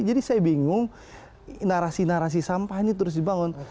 jadi saya bingung narasi narasi sampah ini terus dibangun